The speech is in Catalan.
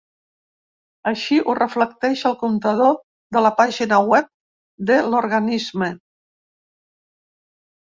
Així ho reflecteix el comptador de la pàgina web de l’organisme.